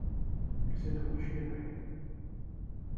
Telsa-d kullec d aberkan.